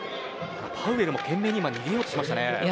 パウエルも懸命に逃げようとしましたね。